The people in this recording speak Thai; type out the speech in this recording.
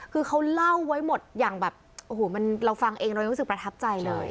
คือเขาเล่าไว้หมดอย่างแบบโอ้โหมันเราฟังเองเรายังรู้สึกประทับใจเลย